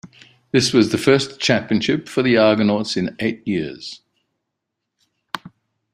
This was the first championship for the Argonauts in eight years.